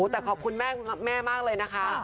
แต่ขอบคุณแม่มากเลยนะคะ